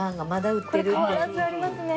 これ変わらずありますね。